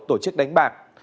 tổ chức đánh bạc